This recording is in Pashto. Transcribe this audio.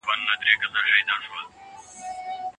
که ښوونکی مثالونه ورکړي، موضوع مبهمه نه پاته کيږي.